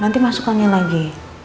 nanti masuk angin lagi